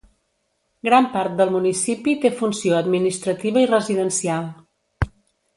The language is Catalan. Gran part del municipi té funció administrativa i residencial.